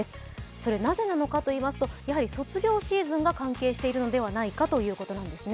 それはなぜなのかといいますと、やはり卒業シーズンが関係しているのではないかということなんですね。